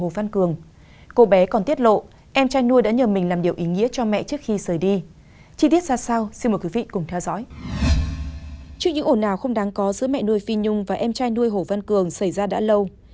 trước những ồn nào không đáng có giữa mẹ nuôi phi nhung và em trai nuôi hồ văn cường xảy ra đã lâu